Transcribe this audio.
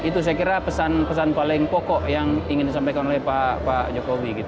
itu saya kira pesan pesan paling pokok yang ingin disampaikan oleh pak jokowi